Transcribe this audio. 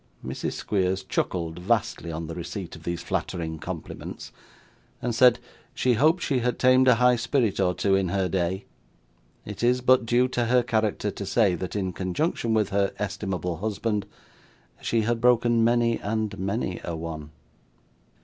Mrs. Squeers chuckled vastly on the receipt of these flattering compliments, and said, she hoped she had tamed a high spirit or two in her day. It is but due to her character to say, that in conjunction with her estimable husband, she had broken many and many a one.